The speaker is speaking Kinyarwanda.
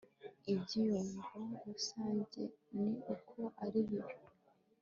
Ibyiyumvo rusange ni uko ari bibi